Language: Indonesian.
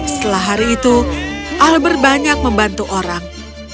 setelah hari itu albert banyak membantu orang